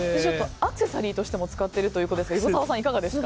アクセサリーとしても使っているということですが横澤さん、いかがですか？